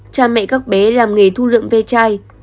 cha mẹ các bé làm nghề thu lượng ve chai